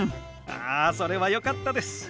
あそれはよかったです。